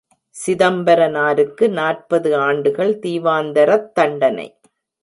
சிதம்பரனாருக்கு நாற்பது ஆண்டுகள் தீவாந்தரத் தண்டனை!